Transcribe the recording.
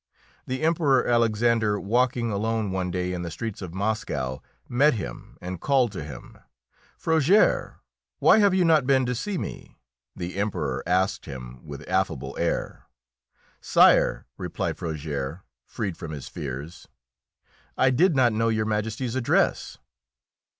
The Emperor Alexander, walking alone one day in the streets of Moscow, met him and called to him. "Frogères, why have you not been to see me?" the Emperor asked him with affable air. "Sire," replied Frogères, freed from his fears, "I did not know Your Majesty's address."